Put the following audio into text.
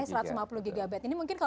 sampai satu ratus lima puluh gb